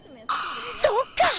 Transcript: そっか！